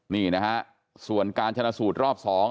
นี่นะฮะส่วนการชนะสูตรรอบ๒